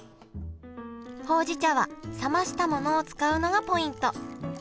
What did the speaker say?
ほうじ茶は冷ましたものを使うのがポイント。